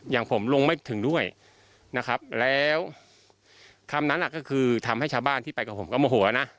อย่างผมลงไม่ถึงด้วยนะครับแล้วคำนั้นก็คือทำให้ชาวบ้านที่ไปกับผมก็โมโหนะ